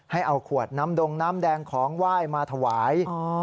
ให้เอาขวดน้ำดงน้ำแดงของไหว้มาถวาย